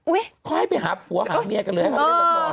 อุ๊ยคอยไปหาหัวข้างเบียดกันเลยให้เขาเล่นกันก่อน